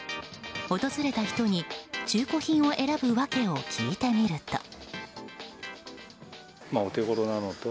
訪れた人に中古品を選ぶ訳を聞いてみると。